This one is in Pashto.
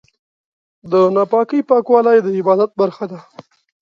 د ناپاکۍ پاکوالی د عبادت برخه ده.